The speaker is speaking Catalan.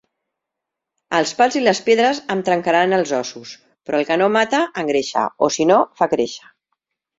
Els pals i les pedres em trencaran els ossos, però el que no mata, engreixa, o si no fa créixer.